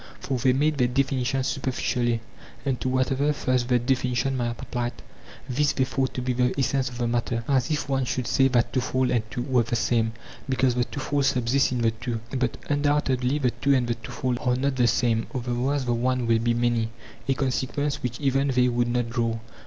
For they made their definitions superficially, and to whatever first the defini tion might apply, this they thought to be the essence of the matter; as if one should say that twofold and two were the same, because the twofold subsists in the two. But undoubtedly the two and the twofold are not the same ; otherwise the one will be many—a consequence which even they would not draw.